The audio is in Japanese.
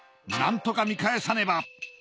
なんとか見返さねば！